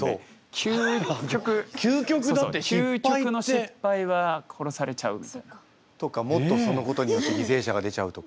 究極究極の失敗は殺されちゃうみたいな。とかもっとそのことによって犠牲者が出ちゃうとか。